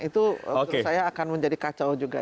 itu menurut saya akan menjadi kacau juga